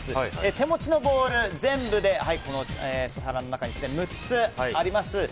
手持ちのボール、全部で６つあります。